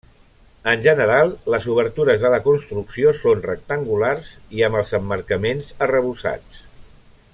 En general, les obertures de la construcció són rectangulars i amb els emmarcaments arrebossats.